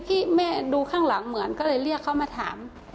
ที่แม่ดูข้างหลังเหมือนก็เลยเรียกเขามาถาม